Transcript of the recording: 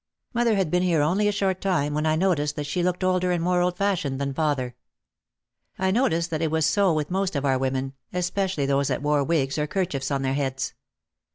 Mother had been here only a short time when I noticed that she looked older and more old fashioned than father. I noticed that it was so with most of our women, espe cially those that wore wigs or kerchiefs on their heads.